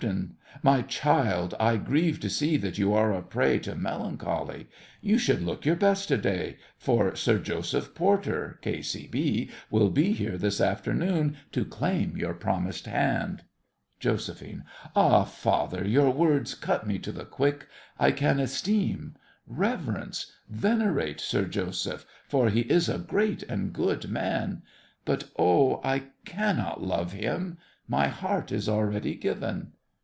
My child, I grieve to see that you are a prey to melancholy. You should look your best to day, for Sir Joseph Porter, K.C.B., will be here this afternoon to claim your promised hand. JOS. Ah, father, your words cut me to the quick. I can esteem— reverence—venerate Sir Joseph, for he is a great and good man; but oh, I cannot love him! My heart is already given.